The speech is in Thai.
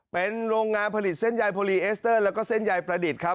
เป็นโรงงานผลิตเส้นใยโพลีเอสเตอร์แล้วก็เส้นใยประดิษฐ์ครับ